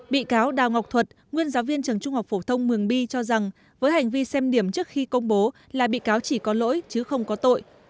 bị cáo đào ngọc thuật nguyên giáo viên trường trung học phổ thông mường bi cho rằng với hành vi xem điểm trước khi công bố là bị cáo chỉ có lỗi chứ không có tội